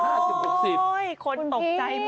คนตกใจหมดเลย